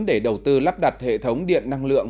để đầu tư lắp đặt hệ thống điện năng lượng